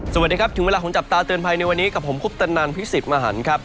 สวัสดีครับถึงเวลาของจับตาเตือนภัยในวันนี้กับผมคุปตนันพิสิทธิ์มหันครับ